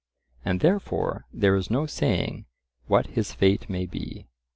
And therefore there is no saying what his fate may be.